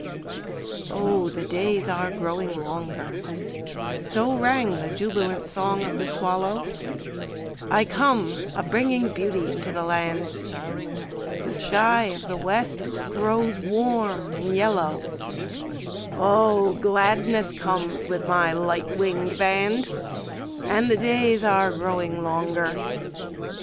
Oh, the days are growing longer; So rang the jubilant song of the swallow; I come a bringing beauty into the land, The sky of the West grows warm and yellow, Oh, gladness comes with my light winged band, And the days are growing longer.